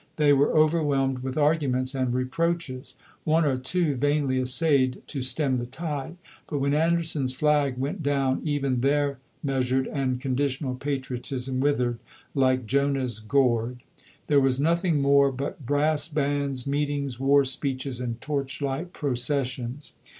They were overwhelmed with arguments and reproaches. One or two vainly essayed to stem the tide. But when Anderson's flag went down even their measured and conditional patriot ism withered hke Jonah's gourd. There was noth ing more but brass bands, meetings, war speeches, and torchlight processions.